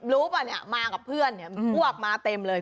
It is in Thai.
รู้ป่ะเนี่ยมากับเพื่อนอ้วกมาเต็มเลย